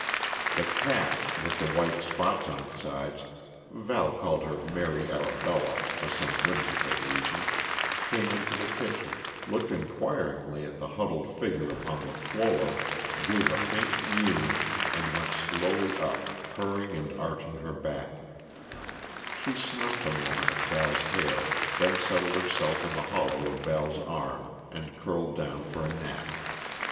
The cat with the white spots on its sides Val called her Mary Arabella, for some whimsical reason came into the kitchen, looked inquiringly at the huddled figure upon the floor, gave a faint mew, and went slowly up, purring and arching her back; she snuffed a moment at Val's hair, then settled herself in the hollow of Val's arm, and curled down for a nap.